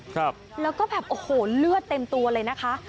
ครับแล้วก็แบบโอ้โหเลือดเต็มตัวเลยนะคะ